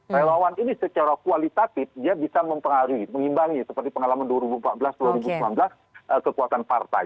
relawan ini secara kualitatif dia bisa mempengaruhi mengimbangi seperti pengalaman dua ribu empat belas dua ribu sembilan belas kekuatan partai